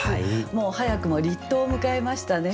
もう早くも立冬を迎えましたね。